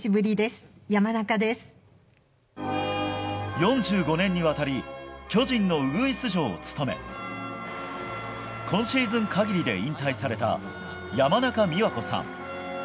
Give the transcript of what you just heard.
４５年にわたり巨人のウグイス嬢を務め今シーズン限りで引退された山中美和子さん。